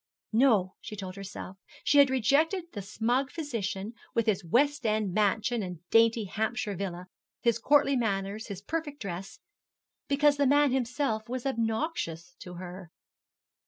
No, she told herself, she had rejected the smug physician, with his West End mansion and dainty Hampshire villa, his courtly manners, his perfect dress, because the man himself was obnoxious to her.